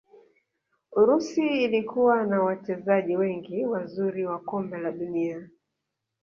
urusi ilikuwa na wachezaji wengi wazuri wa kombe la dunia